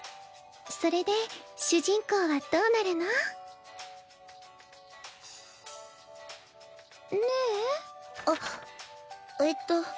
それで主人公はどうなるの？ねえ？あっ。えっと。